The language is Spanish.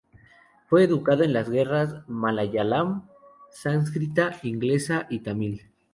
Fue educado en las lenguas malayalam, sánscrita, inglesa y tamil.